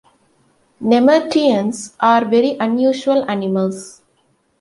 Nemerteans are very unusual animals.